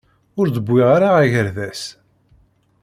Ur d-wwiɣ ara agerdas.